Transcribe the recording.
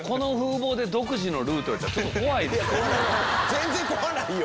全然怖くないよ！